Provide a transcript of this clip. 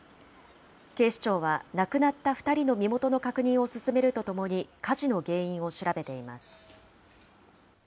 警視庁は亡くなった２人の身元の確認を進めるとともに、火事の原因を調べています。